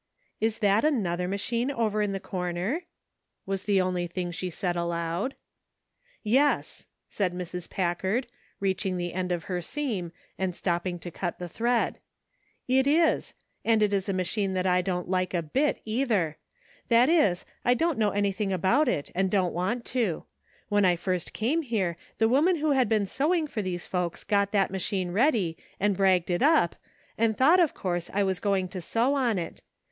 "Is that another machine over in the corner? " was the only thing she said aloud. "Yes," said Mrs. Packard, reaching the end 305 306 ''MERRY CHRISTMAS." of her seam and stopping to cut the thread, *'it is ; and it is a machine that I don't like a bit, either. That is, I don't know anything about it, and don't want to. When I first came here the woman who had been sewing for these folks got that machine ready, and bragged it up, and thought of course I was going to sew on it.